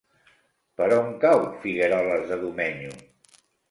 Per on cau Figueroles de Domenyo?